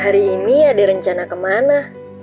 hari ini ada rencana kemana